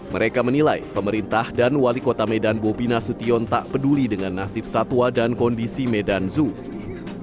mereka menilai pemerintah dan wali kota medan bobi nasution tak peduli dengan nasib satwa dan kondisi medan zoo